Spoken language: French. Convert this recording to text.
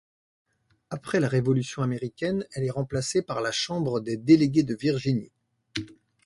Après la Révolution américaine, elle est remplacée par la Chambre des délégués de Virginie.